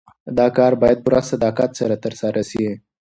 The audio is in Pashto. دا کار باید په پوره صداقت ترسره سي.